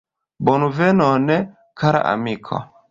Bonvenon, kara amiko!